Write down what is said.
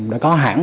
đã có hãng